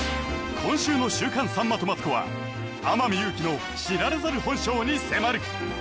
今週の「週刊さんまとマツコ」は天海祐希の知られざる本性に迫る！